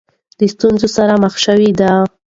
د ستونزو سره مخ شوې دي.